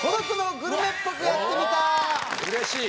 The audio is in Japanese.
うれしい！